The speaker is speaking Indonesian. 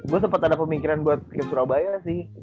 gue sempat ada pemikiran buat ke surabaya sih